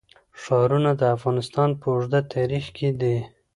ښارونه د افغانستان په اوږده تاریخ کې دي.